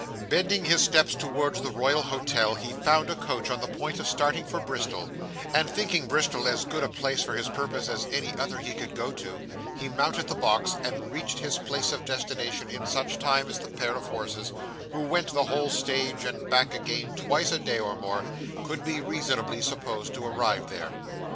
Bending his steps towards the Royal Hotel, he found a coach on the point of starting for Bristol, and, thinking Bristol as good a place for his purpose as any other he could go to, he mounted the box, and reached his place of destination in such time as the pair of horses, who went the whole stage and back again, twice a day or more, could be reasonably supposed to arrive there.